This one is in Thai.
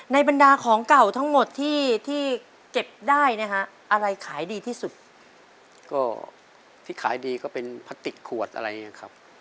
ในบรรดาของเก่าทั้งหมดที่เก็บได้อะไรขายดีที่สุดครับ